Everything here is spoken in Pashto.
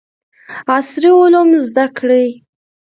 عصري علوم زده کړي.